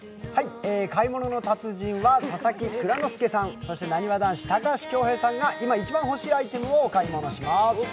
「買い物の達人」は佐々木蔵之介さん、そしてなにわ男子、高橋恭平さんが今一番ほしいアイテムをお買い物します。